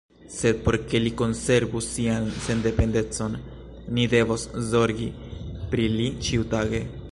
Sed por ke li konservu sian sendependecon, ni devos zorgi pri li ĉiutage.